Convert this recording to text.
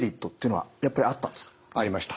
ありました。